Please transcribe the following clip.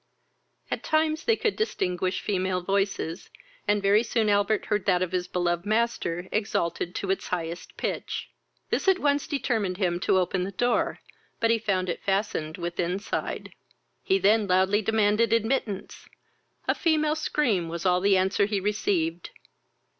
At times they could distinguish female voices, and very soon Albert heard that of his beloved master exalted to its highest pitch. This at once determined him to open the door, but he found it fastened within side: he then loudly demanded admittance; a female scream was all the answer he received.